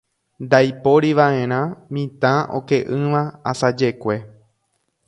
Ndaiporiva'erã mitã oke'ỹva asajekue.